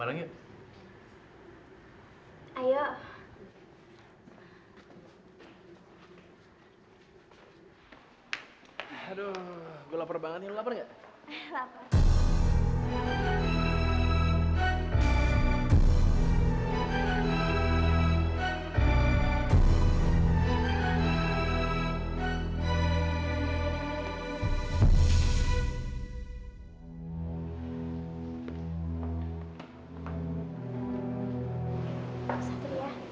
kita pulang aja yuk